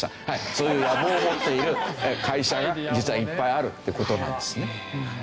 そういう野望を持っている会社が実はいっぱいあるっていう事なんですね。